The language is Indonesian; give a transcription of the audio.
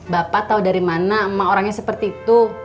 bapak tau dari mana emak orangnya seperti itu